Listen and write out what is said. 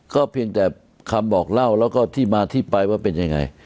เพียงแต่คำบอกเล่าแล้วก็ที่มาที่ไปว่าเป็นยังไง